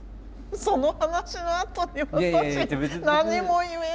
その話のあとに私何も言えない。